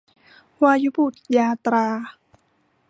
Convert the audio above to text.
วายุบุตรยาตรา